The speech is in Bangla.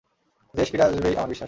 জেস ফিরে আসবেই আমার বিশ্বাস।